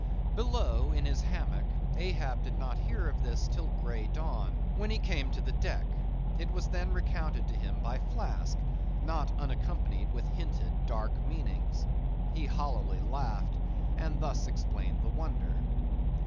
Below in his hammock, Ahab did not hear of this till grey dawn, when he came to the deck; it was then recounted to him by Flask, not unaccompanied with hinted dark meanings. He hollowly laughed, and thus explained the wonder.